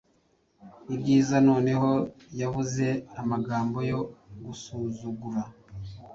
Ibyiza noneho yavuze amagambo yo gusuzugura